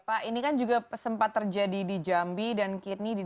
ya pak ini kan juga sempat terjadi di jambi dan kittney di jambi